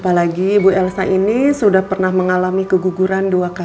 apalagi ibu elsa ini sudah pernah mengalami keguguran dua kali